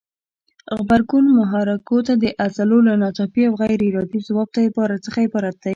غبرګون محرکو ته د عضلو له ناڅاپي او غیر ارادي ځواب څخه عبارت دی.